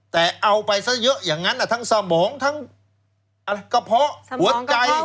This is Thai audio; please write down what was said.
แต่เอาไปซะเยอะอย่างนั้นทั้งสมองทั้งกระเพาะหัวใจ